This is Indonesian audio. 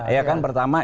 ya kan pertama